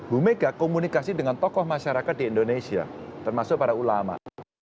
bu mega komunikasi dengan tokoh masyarakat di indonesia termasuk para ulama